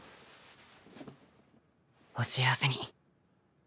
お幸せに。